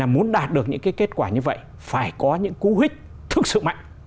muốn đạt được những kết quả như vậy phải có những cú hích thực sự mạnh